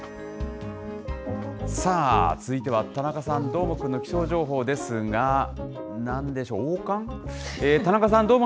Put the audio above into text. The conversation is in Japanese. さあ続いては、田中さん、どーもくんの気象情報ですが、なんでしょう、王冠？